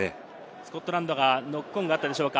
スコットランド、ノックオンがあったでしょうか。